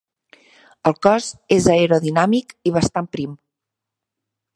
El cos és aerodinàmic i bastant prim.